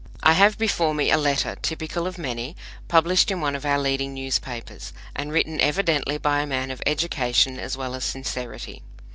I have before me a letter typical of many published in one of our leading newspapers and written evidently by a man of education as well as sincerity.